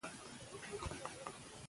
ایا تاسو د ټکنالوژۍ د ګټو په اړه پوهېږئ؟